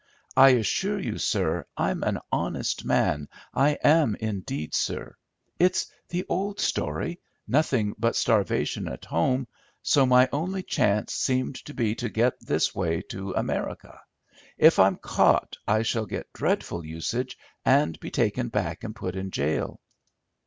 I assure you, sir, I'm an honest man, I am indeed, sir. It's the old story—nothing but starvation at home, so my only chance seemed to be to get this way to America. If I'm caught I shall get dreadful usage and will be taken back and put in jail."